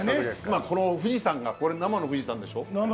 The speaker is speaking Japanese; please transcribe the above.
この富士山がこれ生の富士山でしょ？